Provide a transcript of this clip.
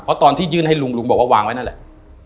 เพราะตอนที่ยื่นให้ลุงลุงบอกว่าวางไว้นั่นแหละ